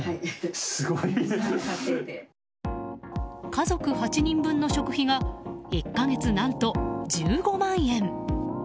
家族８人分の食費が１か月何と１５万円。